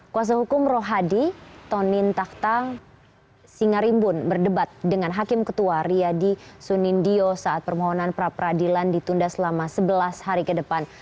kuasa hukum rohadi tonin takta singarimbun berdebat dengan hakim ketua riyadi sunindio saat permohonan pra peradilan ditunda selama sebelas hari ke depan